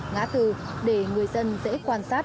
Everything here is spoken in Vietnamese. ngã từ để người dân dễ quan sát